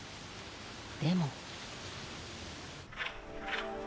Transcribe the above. でも。